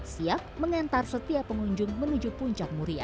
siap mengantar setiap pengunjung menuju puncak muria